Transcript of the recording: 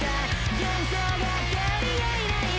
「幻想が頼りがいないな」